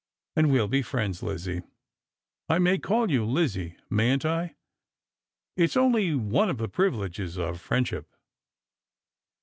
And we'll be friends, Lizzie. I may call you Lizzie, mayn't I ? It's onlj one of the privileges of friendsliip."